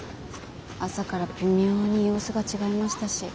朝から微妙に様子が違いましたし。